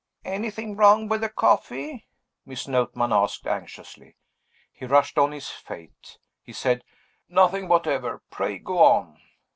"Anything wrong with the coffee?" Miss Notman asked anxiously. He rushed on his fate. He said, "Nothing whatever. Pray go on."